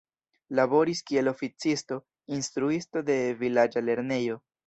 Laboris kiel oficisto, instruisto de vilaĝa lernejo.